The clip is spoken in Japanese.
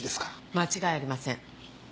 間違いありません。